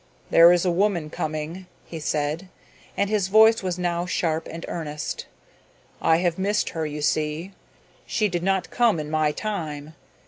"There is a woman coming," he said, and his voice was now sharp and earnest. "I have missed her, you see. She did not come in my time.